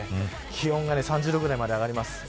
気温が３０度ぐらいまで上がります。